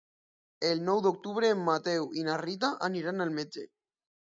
El nou d'octubre en Mateu i na Rita aniran al metge.